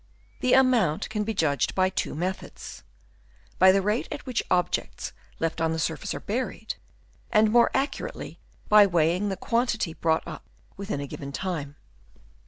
The amount can be judged of by two methods, — by the rate at which objects left on the surface are buried, and more accurately by weighing the quantity brought up within a L 132 AMOUNT OF EARTH Chap. III. given time.